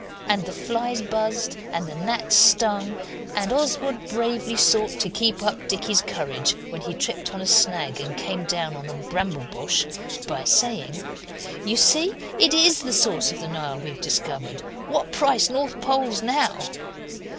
And the flies buzzed, and the gnats stung, and Oswald bravely sought to keep up Dicky's courage, when he tripped on a snag and came down on a bramble bush, by saying 'You see it IS the source of the Nile we've discovered. What price North Poles now?